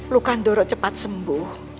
luka doro cepat sembuh